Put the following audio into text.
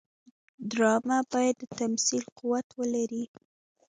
ډرامه باید د تمثیل قوت ولري